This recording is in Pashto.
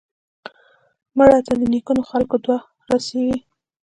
مړه ته د نیکو خلکو دعا رسېږي